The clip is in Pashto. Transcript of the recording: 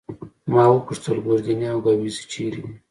ما وپوښتل: ګوردیني او ګاووزي چيري دي؟